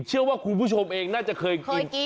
เชื่อว่าคุณผู้ชมเองน่าจะเคยกิน